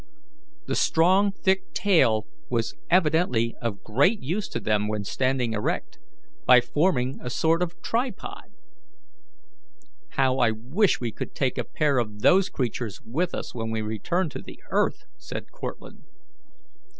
The strong thick tail was evidently of great use to them when standing erect, by forming a sort of tripod. "How I wish we could take a pair of those creatures with us when we return to the earth!" said Cortlandt.